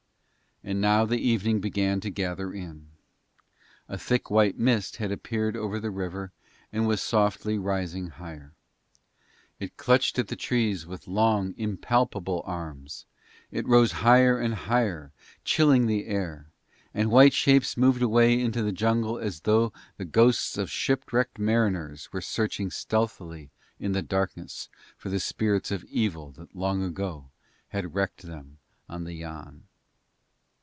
And now the evening began to gather in. A thick white mist had appeared over the river, and was softly rising higher. It clutched at the trees with long impalpable arms, it rose higher and higher, chilling the air; and white shapes moved away into the jungle as though the ghosts of shipwrecked mariners were searching stealthily in the darkness for the spirits of evil that long ago had wrecked them on the Yann.